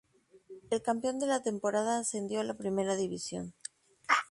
El campeón de la temporada ascendió a la Primera División.